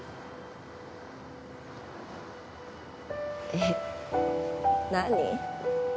えっ？何？